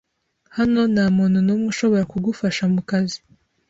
Hano ntamuntu numwe ushobora kugufasha mukazi.